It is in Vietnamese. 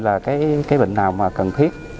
là cái bệnh nào mà cần thiết